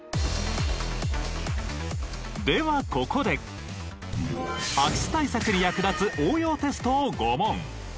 ではここで空き巣対策に役立つ応用テストを５問。